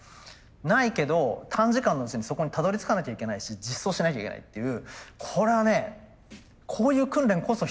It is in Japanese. ないけど短時間のうちにそこにたどりつかなきゃいけないし実装しなきゃいけないっていうこれはねこういう訓練こそ必要。